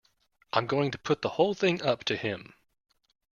I'm going to put the whole thing up to him.